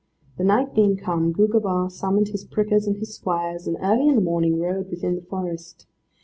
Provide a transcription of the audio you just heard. The night being come, Gugemar summoned his prickers and his squires, and early in the morning rode within the forest.